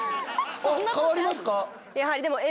あっ変わりますか？